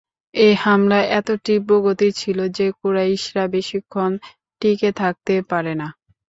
এ হামলা এত তীব্র গতির ছিল যে, কুরাইশরা বেশিক্ষণ টিকে থাকতে পারে না।